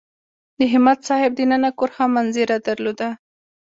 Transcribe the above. د همت صاحب دننه کور ښه منظره درلوده.